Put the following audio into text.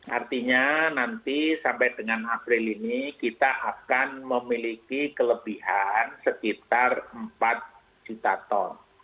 artinya nanti sampai dengan april ini kita akan memiliki kelebihan sekitar empat juta ton